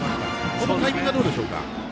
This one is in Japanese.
このタイミングはどうでしょうか。